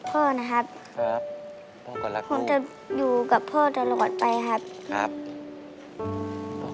ผมจะอยู่กับพ่อตลอดไปครับ